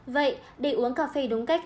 vậy để uống cà phê đúng cách